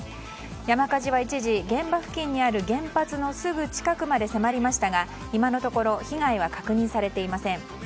山火事は一時、現場付近になる原発のすぐ近くまで迫りましたが今のところ被害は確認されていません。